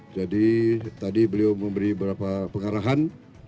tadi beliau memberi beberapa pengarahan